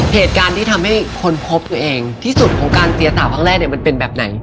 เหตุการณ์ที่ทำให้คนพบตัวเองที่สุดของการเตียสาวครั้งแรกเนี่ยมันเป็นแบบไหน